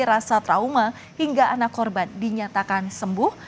rasa trauma hingga anak korban dinyatakan sembuh